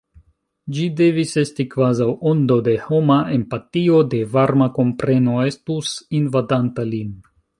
Ĝi devis esti kvazaŭ ondo de homa empatio, de varma kompreno estus invadanta lin.